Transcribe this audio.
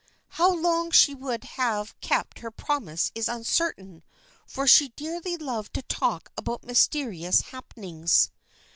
How long she would have kept her promise is uncertain, for she dearly loved to talk about mysterious happenings.